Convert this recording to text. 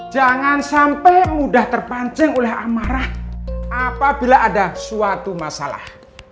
jangan sampai mudah terpancing oleh amarah apabila ada suatu masalah